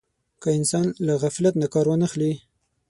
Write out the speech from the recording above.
که انسان له غفلت نه کار وانه خلي.